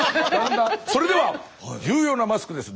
それでは重要なマスクです。